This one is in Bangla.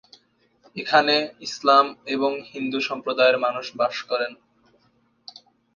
এখানে ইসলাম এবং হিন্দু সম্প্রদায়ের মানুষ বাস করেন।